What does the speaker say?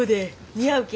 似合うけ？